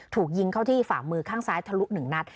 ถูกยิงเข้าที่ฝ่ามือข้างซ้ายทะลุ๑นัด